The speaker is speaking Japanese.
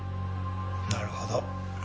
なるほど。